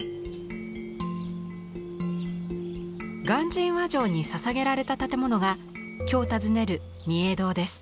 鑑真和上に捧げられた建物が今日訪ねる御影堂です。